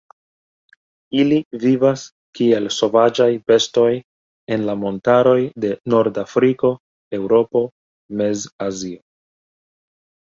Ili vivas kiel sovaĝaj bestoj en la montaroj de Nord-Afriko, Eŭropo, Mez-Azio.